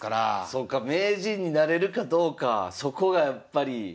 そっか名人になれるかどうかそこがやっぱり。